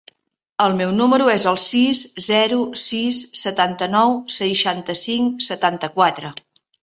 El meu número es el sis, zero, sis, setanta-nou, seixanta-cinc, setanta-quatre.